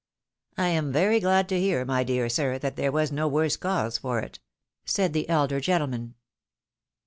" I am 'very glad to hear, my dear sir, that there was no worse cause for it," said the elder gentleman.